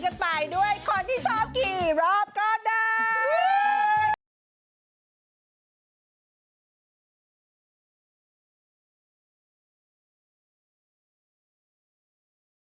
กับเพลงที่มีชื่อว่ากี่รอบก็ได้